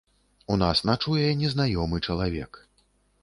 У нас начуе незнаёмы чалавек.